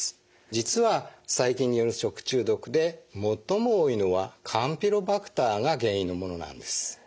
実は細菌による食中毒で最も多いのはカンピロバクターが原因のものなんです。